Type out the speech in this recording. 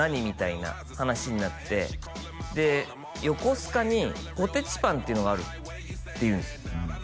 みたいな話になってで横須賀にポテチパンっていうのがあるっていうんです